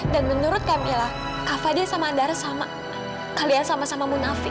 dan menurut kamila kak fadil sama andara sama kalian sama sama munafik